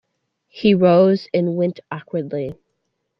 He rose and went awkwardly.